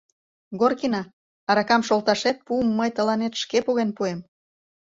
Горкина, аракам шолташет пуым мый тыланет шке поген пуэм...